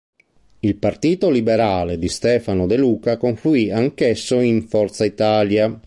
Il Partito Liberale di Stefano De Luca confluì anch'esso in Forza Italia.